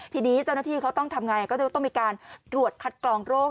ทีนี้เจ้าหน้าที่เขาต้องทำไงก็จะต้องมีการตรวจคัดกรองโรค